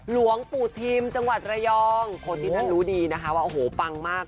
หลวงปู่ทิมจังหวัดระยองคนที่ท่านรู้ดีนะคะว่าโอ้โหปังมาก